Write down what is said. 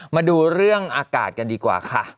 มาดูเรื่องอากาศกันดีกว่าค่ะ